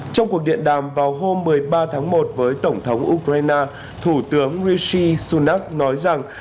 trong cuộc điện đàm vào hôm một mươi ba tháng một với tổng thống ukraine thủ tướng rishi sunak nói rằng